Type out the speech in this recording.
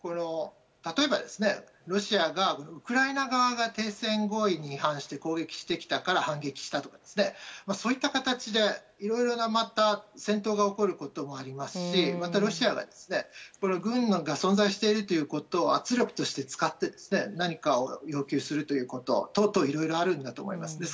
例えば、ロシアがウクライナ側が停戦合意に違反して攻撃してきたから反撃したとかそういった形でいろいろな戦闘が起こることもありますしまた、ロシアが軍が存在しているということを圧力として使って何かを要求するということ等々いろいろあるんだと思います。